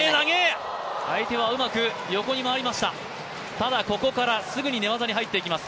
ただ、ここからすぐに寝技に入っていきます。